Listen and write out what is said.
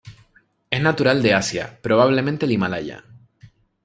Es natural de Asia, probablemente el Himalaya.